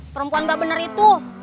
perempuan gak bener itu